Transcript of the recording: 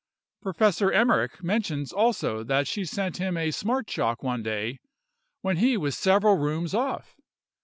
Professor Emmerich mentions also that she sent him a smart shock, one day, when he was several rooms off.